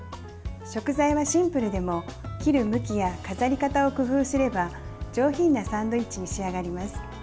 食材はシンプルでも切る向きや飾り方を工夫すれば上品なサンドイッチに仕上がります。